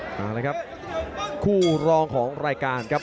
มาเลยครับคู่รองของรายการครับ